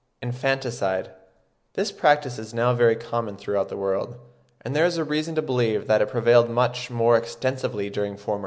INFANTICIDE. This practice is now very common throughout the world, and there is reason to believe that it prevailed much more extensively during former times.